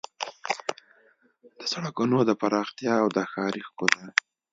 د سړکونو د پراختیا او د ښاري ښکلا